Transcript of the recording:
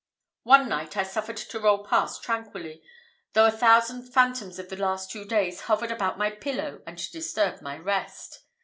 One night I suffered to roll past tranquilly, though a thousand phantoms of the last two days hovered about my pillow and disturbed my rest.